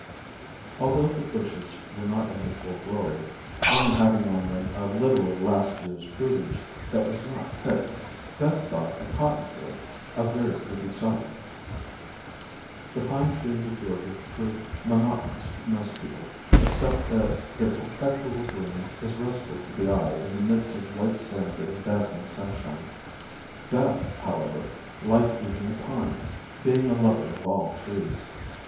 Although the bushes were not in their full glory only having on them a little of last year's fruitage that was not picked Beth thought a cotton field a very pretty sight. [Illustration: Beth thought a cotton field a very pretty sight. (Illustration missing from book)] The pine trees of Georgia prove monotonous to most people, except that their perpetual green is restful to the eye in the midst of white sand and dazzling sunshine. Beth, however, liked even the pines, being a lover of all trees.